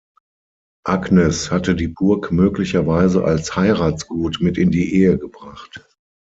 Agnes hatte die Burg möglicherweise als Heiratsgut mit in die Ehe gebracht.